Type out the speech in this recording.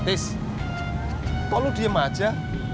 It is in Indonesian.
is tolong diem aja